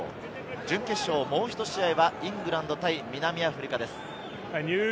準決勝、もうひと試合はイングランド対南アフリカです。